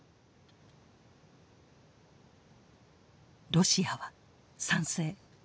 ロシアは賛成。